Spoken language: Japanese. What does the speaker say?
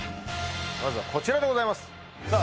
まずはこちらでございます